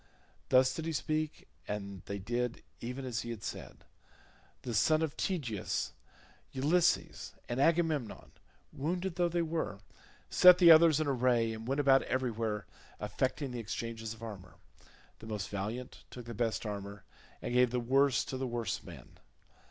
Thus did he speak, and they did even as he had said. The son of Tydeus, Ulysses, and Agamemnon, wounded though they were, set the others in array, and went about everywhere effecting the exchanges of armour; the most valiant took the best armour, and gave the worse to the worse man.